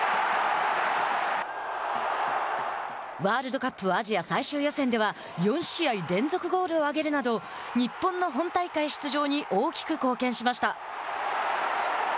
ワールドカップアジア最終予選では４試合連続ゴールを挙げるなど日本の本大会出場に大きく貢献しました。